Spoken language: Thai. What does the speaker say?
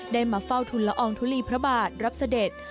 มาเฝ้าทุนละอองทุลีพระบาทรับเสด็จ